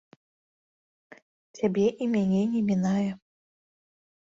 Цябе і мяне не мінае.